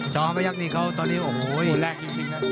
ชอห้าพยักษ์นี้ของเขาตอนนี้โอ้โหมีพวกที่มาก